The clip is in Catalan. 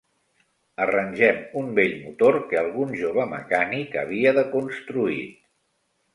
Arrangem un vell motor que algun jove mecànic havia deconstruït.